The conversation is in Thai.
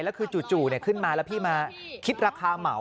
แล้วคือจู่ขึ้นมาแล้วพี่มาคิดราคาเหมา